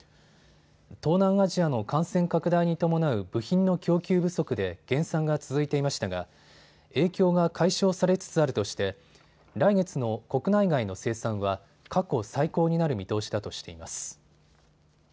東南アジアの感染拡大に伴う部品の供給不足で減産が続いていましたが影響が解消されつつあるとして来月の国内外の生産は過去最高になる見通しだとしています。